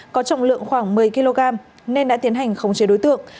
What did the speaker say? có trọng lượng khoảng một mươi kg nên đã tiến hành khống chế đối tượng